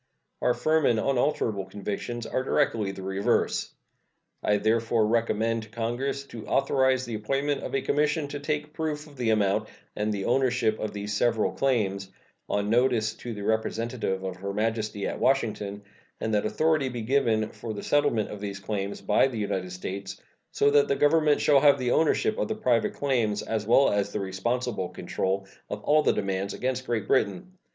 Our firm and unalterable convictions are directly the reverse. I therefore recommend to Congress to authorize the appointment of a commission to take proof of the amount and the ownership of these several claims, on notice to the representative of Her Majesty at Washington, and that authority be given for the settlement of these claims by the United States, so that the Government shall have the ownership of the private claims, as well as the responsible control of all the demands against Great Britain.